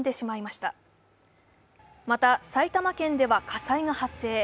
また、埼玉県では火災が発生。